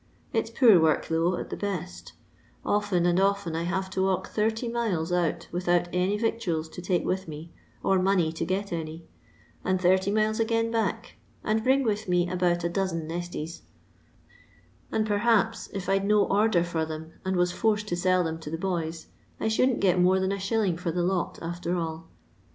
It 's poor work, though, at the best Often and often I have to walk 30 miles out without any victuals to take with me, or money to get any, and 80 miles again back, and bring with me about a dosen nesties ; and, perhaps, if I 'd no order for them, and was forced to sell them to the boys, I shouldn't get more than a shilling for the lot after all.